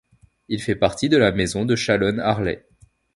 Il fait partie de la maison de Chalon-Arlay.